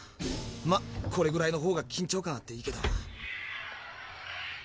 まこれぐらいのほうが緊張感あっていいけど。